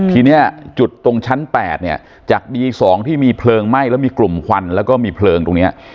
ทีนี้จุดตรงชั้น๘เนี่ยจากบี๒ที่มีเพลิงไหม้แล้วมีกลุ่มควันแล้วก็มีเพลิงตรงนี้